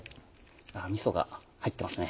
みそが入ってますね。